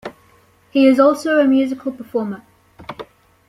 He is also a musical performer.